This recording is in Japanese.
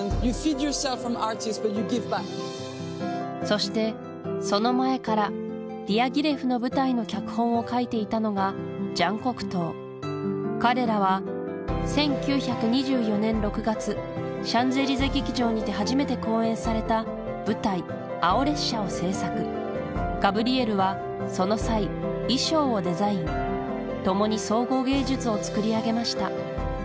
そしてその前からディアギレフの舞台の脚本を書いていたのがジャン・コクトー彼らは１９２４年６月シャンゼリゼ劇場にて初めて公演された舞台『青列車』を制作ガブリエルはその際衣装をデザイン共に総合芸術を創り上げました